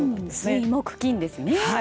水木金ですね。